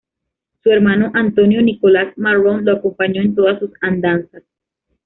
Su hermano Antonio Nicolás Marrone lo acompañó en todas sus andanzas.